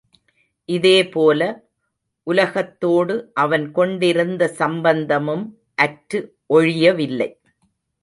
இதே போல, உலகத்தோடு அவன் கொண்டிருந்த சம்பந்தமும் அற்று ஒழியவில்லை.